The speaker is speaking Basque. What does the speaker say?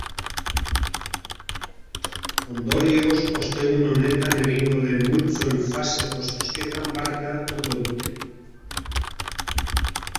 Ondorioz, ostegun honetan egingo den multzoen faseko zozketan parte hartuko dute.